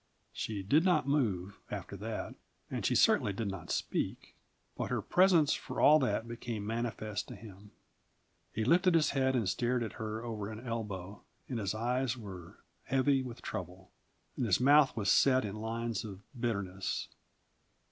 She did not move, after that, and she certainly did not speak, but her presence for all that became manifest to him. He lifted his head and stared at her over an elbow; and his eyes were heavy with trouble, and his mouth was set in lines of bitterness.